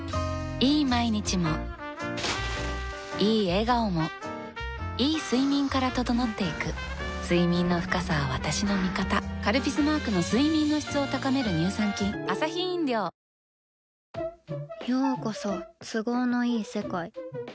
いい毎日もいい笑顔もいい睡眠から整っていく睡眠の深さは私の味方「カルピス」マークの睡眠の質を高める乳酸菌淡麗グリーンラベル